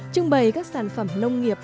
trưng bày các sản phẩm nông nghiệp